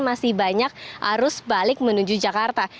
masih banyak arus balik menuju jakarta